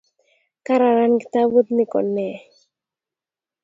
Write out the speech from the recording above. Kararan kitabut ni kunee!